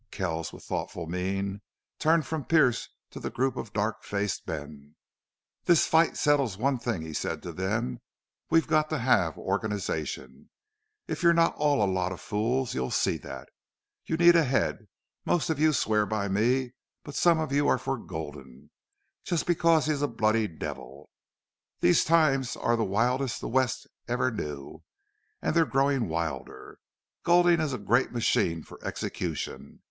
Kells, with thoughtful mien, turned from Pearce to the group of dark faced men. "This fight settles one thing," he said to them. "We've got to have organization. If you're not all a lot of fools you'll see that. You need a head. Most of you swear by me, but some of you are for Gulden. Just because he's a bloody devil. These times are the wildest the West ever knew, and they're growing wilder. Gulden is a great machine for execution.